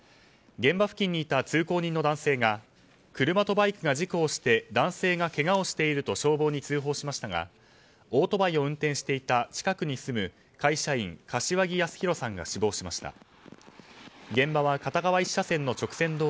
現場付近にいた通行人の男性が車とバイクが事故をして男性がけがをしていると消防に通報しましたがオートバイを運転していた近くに住む会社員柏木康宏さんが死亡しました。